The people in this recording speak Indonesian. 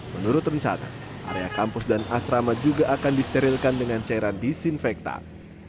menurut rencana area kampus dan asrama juga akan disterilkan dengan cairan disinfektan